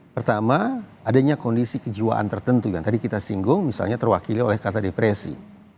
pertama adanya kondisi kejiwaan tertentu yang tadi kita singgung misalnya terwakili oleh kata depresi